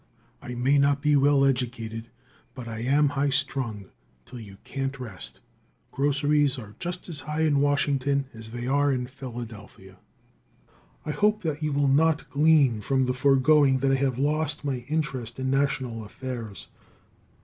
I may not be well educated, but I am high strung till you can't rest Groceries are just as high in Washington as they are in Philadelphia. I hope that you will not glean from the foregoing that I have lost my interest in national affairs.